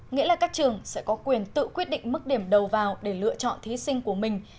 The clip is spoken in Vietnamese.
nghĩa là các trường sẽ có quyền tự quyết định mức điểm đầu vào để lựa chọn thí sinh của mình